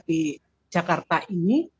di jakarta ini